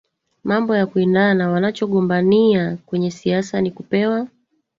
mambo ya kuwindana Wanachogombania kwenye siasa ni kupewa